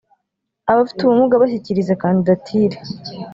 abafite ubumuga bashyikirize kandidatire